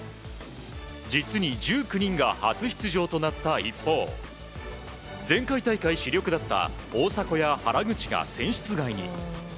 実に１９人が初出場となった一方前回大会、主力だった大迫や原口が選出外に。